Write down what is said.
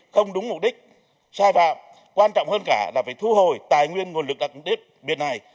không đúng mục đích sai phạm quan trọng hơn cả là phải thu hồi tài nguyên nguồn lực đặc biệt này